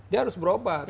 dia harus berobat